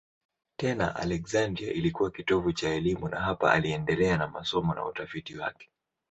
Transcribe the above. Tena Aleksandria ilikuwa kitovu cha elimu na hapa aliendelea na masomo na utafiti wake.